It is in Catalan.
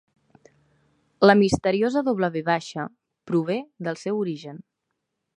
La misteriosa doble ve baixa prové del seu origen.